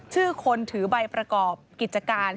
ชื่อคนถือใบประกอบกิจการ